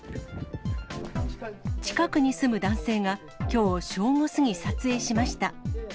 近くに住む男性がきょう正午過ぎ、撮影しました。